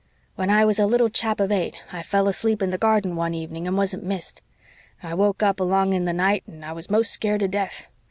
When I was a little chap of eight I fell asleep in the garden one evening and wasn't missed. I woke up along in the night and I was most scared to death.